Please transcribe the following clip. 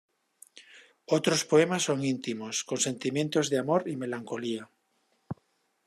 Otros poemas son íntimos, con sentimientos de amor y melancolía.